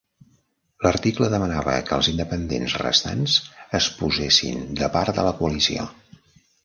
L'article demanava que els independents restants es posessin de part de la coalició.